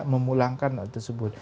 memulangkan hal tersebut